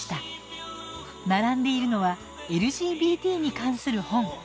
並んでいるのはＬＧＢＴに関する本。